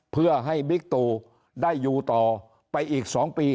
เพื่อให้บิ๊กตูได้อยู่ต่อไปอีก๒ปี